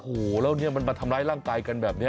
โอ้โหแล้วเนี่ยมันมาทำร้ายร่างกายกันแบบนี้